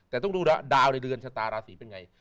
แต่ต้องดูดาวในเดือนชะตาราศีเป็นไง